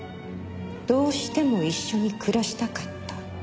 どうしても一緒に暮らしたかった。